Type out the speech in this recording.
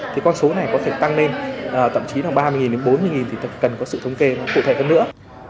thì con số này có thể tăng lên thậm chí là ba mươi đến bốn mươi thì cần có sự thống kê cụ thể hơn nữa